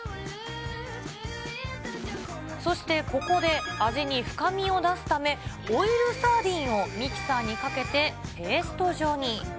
そしてここで、味に深みを出すため、オイルサーディンをミキサーにかけて、ペースト状に。